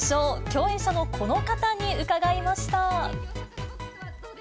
共演者のこの方に伺いました。